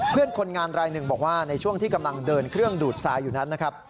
เพื่อนคนงานรายหนึ่งบอกว่าในช่วงที่กำลังเดินเครื่องดูดทรายอยู่นั้นนะครับ